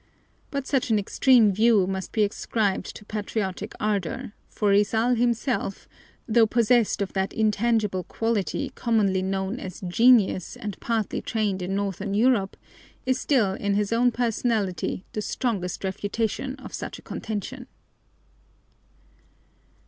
But such an extreme view must be ascribed to patriotic ardor, for Rizal himself, though possessed of that intangible quality commonly known as genius and partly trained in northern Europe, is still in his own personality the strongest refutation of such a contention.